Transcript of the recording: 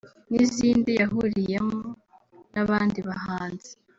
n’izindi yahuriyemo n’abandi bahanzi